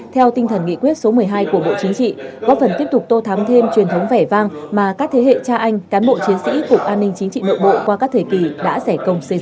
theo tinh thần nghị quyết số một mươi hai của bộ chính trị góp phần tiếp tục tô thám thêm truyền thống vẻ vang mà các thế hệ cha anh cán bộ chiến sĩ cục an ninh chính trị nội bộ qua các thời kỳ đã giải công xây dựng